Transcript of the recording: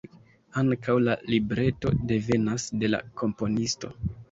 Ankaŭ la libreto devenas de la komponisto.